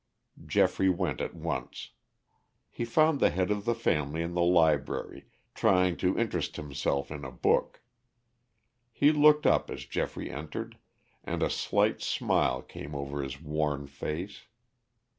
Geoffrey went at once. He found the head of the family in the library trying to interest himself in a book. He looked up as Geoffrey entered, and a slight smile came over his worn face.